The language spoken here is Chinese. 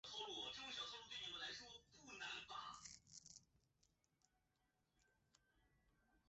同时也培养了一批检疫技术干部。